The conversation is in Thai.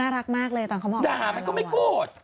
ด่ามันก็ไม่โกรธ